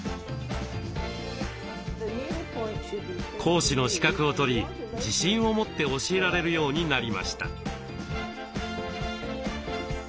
講師の資格を取り自信を持って教えられるようになりました。